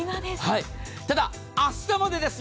ただ、明日までです。